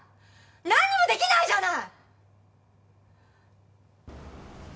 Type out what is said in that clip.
何にもできないじゃない！